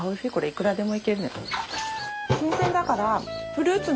いくらでもいけるね。